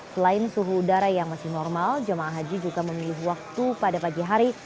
selain suhu udara yang masih normal jemaah haji juga memilih waktu pada pagi hari